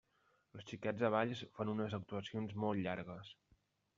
Els Xiquets de Valls fan unes actuacions molt llargues.